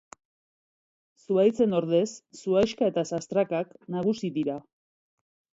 Zuhaitzen ordez, zuhaixka eta sastrakak nagusi dira.